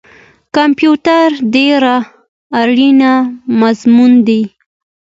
کمپیوټر ډیر اړین مضمون دی